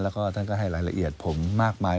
แล้วก็ท่านก็ให้รายละเอียดผมมากมาย